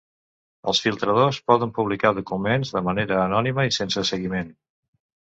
Els filtradors poden publicar documents de manera anònima i sense seguiment.